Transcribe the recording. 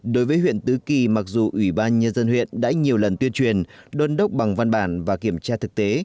đối với huyện tứ kỳ mặc dù ủy ban nhân dân huyện đã nhiều lần tuyên truyền đôn đốc bằng văn bản và kiểm tra thực tế